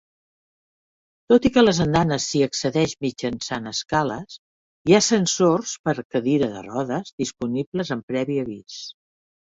Tot i que a les andanes s'hi accedeix mitjançant escales, hi ha ascensors per a cadires de rodes disponibles amb previ avís.